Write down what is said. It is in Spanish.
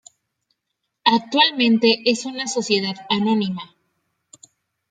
Actualmente es una Sociedad Anónima.